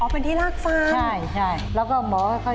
อ๋อเป็นที่รากฟันใช่แล้วก็หมอก็ค่อยค่อยค่อย